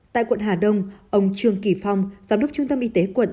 tại quận hà đông ông trương kỳ phong giám đốc trung tâm y tế quận